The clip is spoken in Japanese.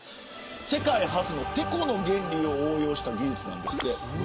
世界初の、てこの原理を応用した技術なんですって。